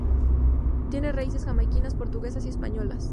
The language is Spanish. Tiene raíces jamaicanas, portuguesas y españolas.